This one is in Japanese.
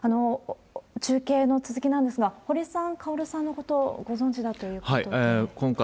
中継の続きなんですが、堀さん、カオルさんのこと、ご存じだということで。